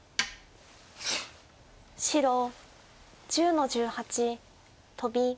白１０の十八トビ。